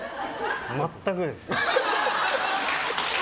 全くです。